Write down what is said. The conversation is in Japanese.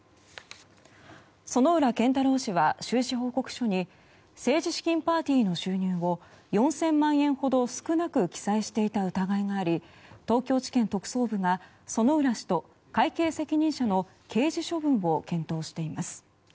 薗浦健太郎氏は収支報告書に政治資金パーティーの収入を４０００万円ほど少なく記載していた疑いがあり東京地検特捜部が薗浦氏と会計責任者の刑事処分を検討しています。